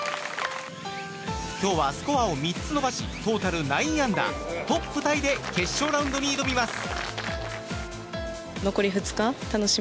今日は、スコアを３つ伸ばしトータル９アンダートップタイで決勝ラウンドに挑みます。